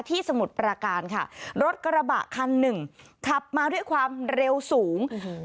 สมุทรประการค่ะรถกระบะคันหนึ่งขับมาด้วยความเร็วสูง